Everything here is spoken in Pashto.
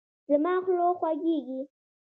زما خوله خوږیږي